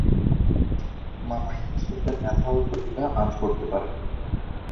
মামা ইউসুফের মেধা ও প্রতিভা আঁচ করতে পারেন।